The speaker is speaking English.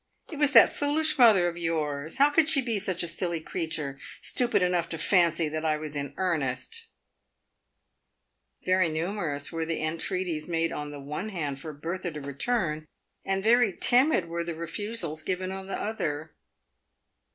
"It was that foolish mother of yours. How could she be such a silly creature !— stupid enough to fancy that I was in earnest !" Yery numerous were the entreaties made on the one hand for Bertha to return, and very timid were the refusals given on the other.